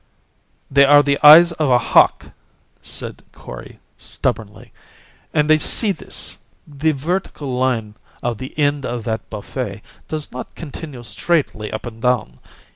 "They are the eyes of a hawk," said Kori stubbornly. "And they see this the vertical line of the end of that buffet does not continue straightly up and down.